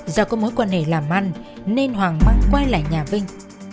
do có mối quan hệ làm ăn nên hoàng mang quay lại nhà vinh